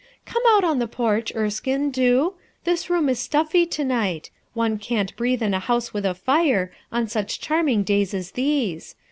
"Come out on the porch, Erskine, do; this room is stuffy to night. One can't breathe in a house with a fire, on such charming days as these.